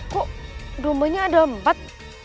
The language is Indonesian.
kok domba nya ada empat